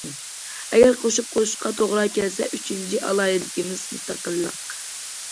ئەگەر قوشۇپ قوشۇشقا توغرا كەلسە ئۈچىنچى ئالاھىدىلىكىمىز مۇستەقىللىق.